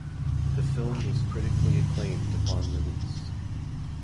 The film was critically acclaimed upon release.